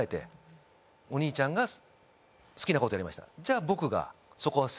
お兄ちゃんが好きなことやりました。